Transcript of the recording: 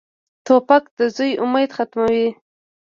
توپک د زوی امید ختموي.